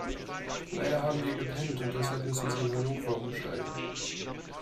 Leider haben wir gepennt und deshalb müssen Sie in Hannover umsteigen.